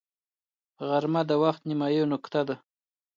غرمه د وخت نیمايي نقطه ده